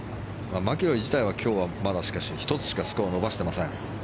マキロイ自体は今日はまだ、しかし１つしかスコアを伸ばしていません。